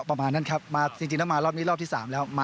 ประมาณนั้นครับมาจริงแล้วมารอบนี้รอบที่๓แล้ว